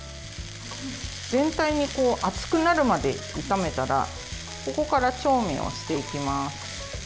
全体が熱くなるまで炒めたらここから調味をしていきます。